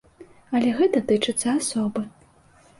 Але гэта тычыцца асобы.